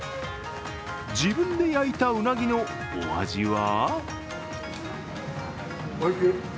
自分で焼いたうなぎのお味は？